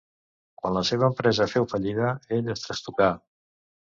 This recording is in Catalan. Quan la seva empresa feu fallida, ell es trastocà.